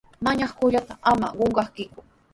Mañakullanqaata ama qunqakiku.